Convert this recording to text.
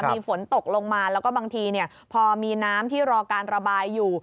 มีฝนตกลงมาแล้วก็บางทีพอมีน้ำที่รอการระบายอยู่